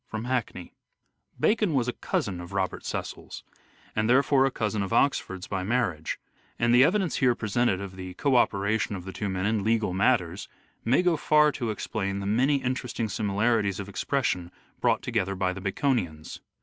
From Hackney. EARLY LIFE OF EDWARD DE VERE 241 Bacon was a cousin of Robert Cecil's and therefore a cousin of Oxford's by marriage ; and the evidence here presented of the co operation of the two men in legal matters may go far to explain the many interesting similarities of expression brought together by the Baconians.